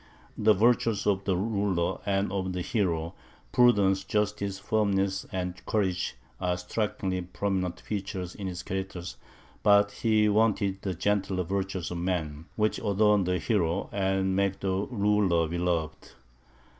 The virtues of the ruler and of the hero, prudence, justice, firmness, and courage, are strikingly prominent features in his character; but he wanted the gentler virtues of the man, which adorn the hero, and make the ruler beloved.